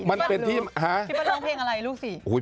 มันเป็นที่พี่ปั้นร้องเพลงอะไรลูกสี่